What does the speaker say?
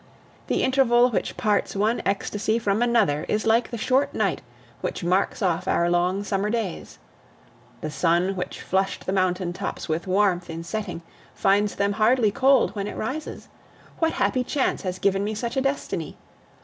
The interval which parts one ecstasy from another is like the short night which marks off our long summer days. The sun which flushed the mountain tops with warmth in setting finds them hardly cold when it rises. What happy chance has given me such a destiny?